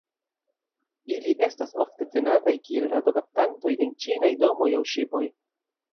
Ili estas ofte tenataj kiel rato-kaptantoj en ĉinaj domoj aŭ ŝipoj.